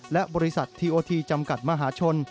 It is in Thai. และบริษัททีโอทีจำกัดมหาชน